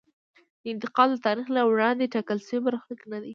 دا انتقال د تاریخ له وړاندې ټاکل شوی برخلیک نه دی.